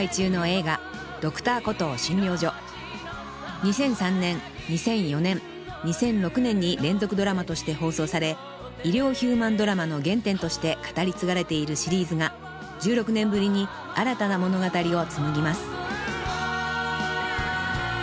［２００３年２００４年２００６年に連続ドラマとして放送され医療ヒューマンドラマの原点として語り継がれているシリーズが１６年ぶりに新たな物語を紡ぎます］